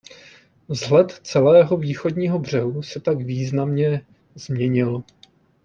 Vzhled celého východní břehu se tak významně změnil.